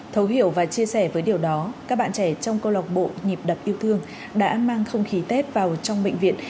thấu hiểu và chia sẻ với điều đó các bạn trẻ trong câu lọc bộ nhịp đập yêu thương đã mang không khí tết vào trong bệnh viện